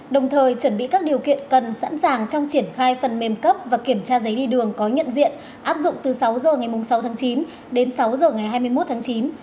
đồng thời chuẩn bị các điều kiện cần sẵn sàng trong triển khai phần mềm cấp và kiểm tra giấy đi đường có nhận diện áp dụng từ sáu h ngày sáu tháng chín đến sáu h ngày hai mươi một tháng chín